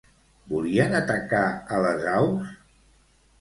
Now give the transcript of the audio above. Volien atacar a les aus?